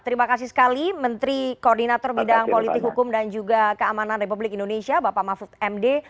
terima kasih sekali menteri koordinator bidang politik hukum dan juga keamanan republik indonesia bapak mahfud md